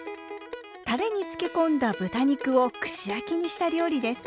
タレに漬け込んだ豚肉を串焼きにした料理です。